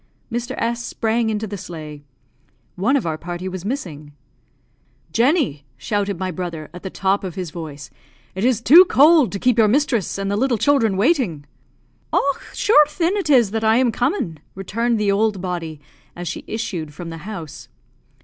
Mr. S sprang into the sleigh. One of our party was missing. "Jenny!" shouted my brother, at the top of his voice, "it is too cold to keep your mistress and the little children waiting." "Och, shure thin, it is I that am comin'!" returned the old body, as she issued from the house.